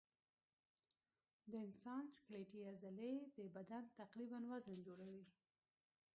د انسان سکلیټي عضلې د بدن تقریباً وزن جوړوي.